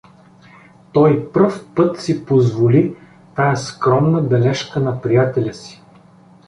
Той пръв път си позволи тая скромна бележка на приятеля си.